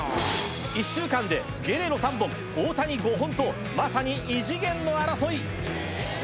１週間でゲレーロ３本大谷５本とまさに異次元の争い。